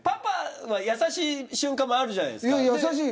優しい瞬間もあるじゃないですか。